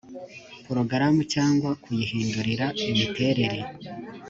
porogaramu cyangwa kuyihindurira imiterere